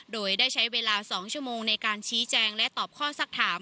โดยได้ใช้เวลา๒ชั่วโมงในการชี้แจงและตอบข้อสักถาม